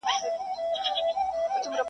چي ژوندی یم زما به یاد يې میرهاشمه-